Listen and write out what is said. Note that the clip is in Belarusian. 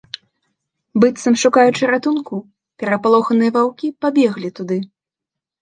Быццам шукаючы ратунку, перапалоханыя ваўкі пабеглі туды.